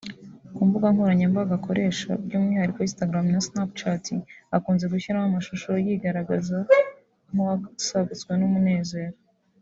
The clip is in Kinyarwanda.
ku mbuga nkoranyambaga akoresha by’umwihariko Instagram na Snapchat akunze gushyiraho amashusho yigaragaza nk’uwasagutswe n’umunezero